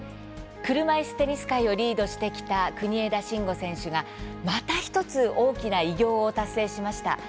車いすテニス界をリードしてきた国枝慎吾選手が、また１つ大きな偉業を達成しました。